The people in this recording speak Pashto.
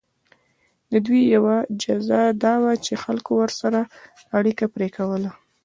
د دوی یوه جزا دا وه چې خلکو ورسره اړیکه پرې کوله.